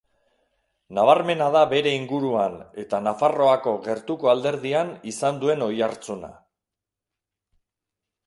Nabarmena da bere inguruan eta Nafarroako gertuko alderdian izan duen oihartzuna.